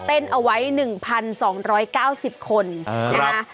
เต้นเอาไว้๑๒๙๐คนนะคะ